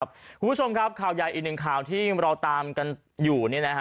คุณผู้ชมครับข่าวใหญ่อีกหนึ่งข่าวที่เราตามกันอยู่